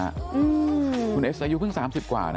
คุณเอสอายุเพิ่ง๓๐กว่านะ